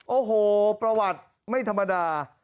โอ้โหประวัติไม่ธรรมดา